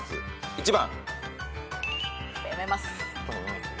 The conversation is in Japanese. １番。